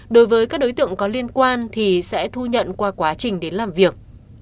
đối với các đối tượng có liên quan thì sẽ thu nhận qua quá trình đến làm việc